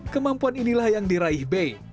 kemampuan inilah yang diraih bey